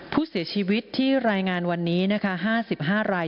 ผู้เสียชีวิตที่รายงานวันนี้นะคะ๕๕ราย